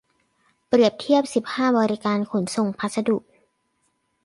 เปรียบเทียบ สิบห้า บริการขนส่งพัสดุ